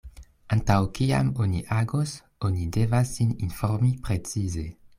Antaŭ kiam oni agos, oni devas sin informi precize.